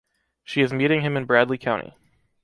She is meeting him in Bradley County.